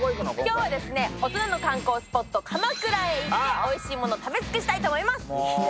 今日は大人の観光スポット、鎌倉へ行っておいしいものを食べ尽くそうと思います。